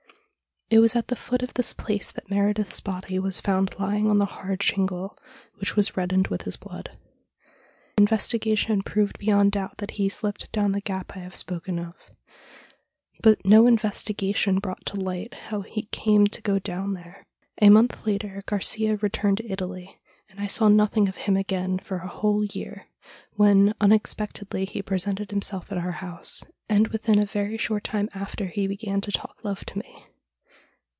It was at the foot of this place that Meredith's body was found lying on the hard shingle, which was reddened with his blood. Investigation proved beyond doubt that he slipped down the gap I have spoken of. But no investigation brought to light how he came to go down there. A month later Garcia re turned to Italy, and I saw nothing of him again for a whole year, when unexpectedly he presented himself at our house, and within a very short time after he began to talk love to me.